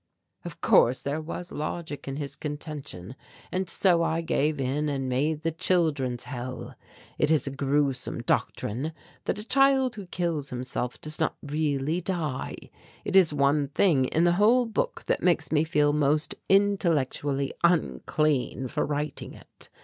"Of course there was logic in his contention and so I gave in and made the Children's Hell. It is a gruesome doctrine, that a child who kills himself does not really die. It is the one thing in the whole book that makes me feel most intellectually unclean for writing it.